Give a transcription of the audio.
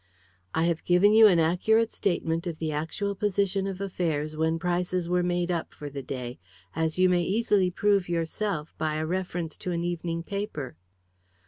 "I have given you an accurate statement of the actual position of affairs when prices were made up for the day, as you may easily prove yourself by a reference to an evening paper."